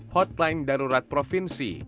hotline darurat provinsi